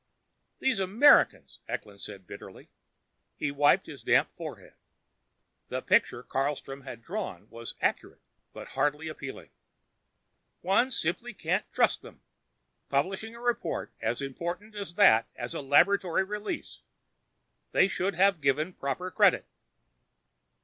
"These Americans!" Eklund said bitterly. He wiped his damp forehead. The picture Carlstrom had drawn was accurate but hardly appealing. "One simply can't trust them. Publishing a report as important as that as a laboratory release. They should have given proper credit."